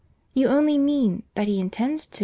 You only mean, that he intends it."